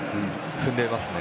踏んでいますね。